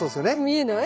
見えない？